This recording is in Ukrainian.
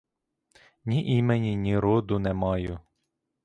Ні імені, ні роду не маю.